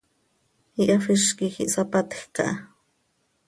Ihafíz quij ihsapatjc aha.